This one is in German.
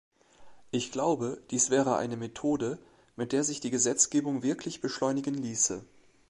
Ich glaube, dies wäre eine Methode, mit der sich die Gesetzgebung wirklich beschleunigen ließe.